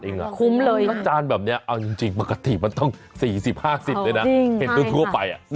โอ้โหคุ้มเลยค่ะจานแบบนี้เอาจริงปกติมันต้อง๔๐๕๐เลยนะเห็นตัวทั่วไป